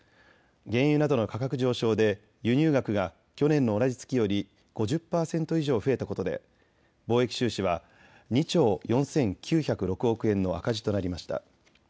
原油などの価格上昇で輸入額が去年の同じ月より５０％以上増えたことで貿易収支は２兆４９０６億円の赤字となりました。